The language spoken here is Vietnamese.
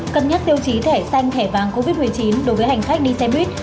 cân nhắc tiêu chí thẻ xanh thẻ vàng covid một mươi chín đối với hành khách đi xe buýt